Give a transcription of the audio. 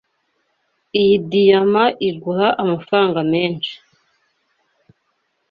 Iyi diyama igura amafaranga menshi.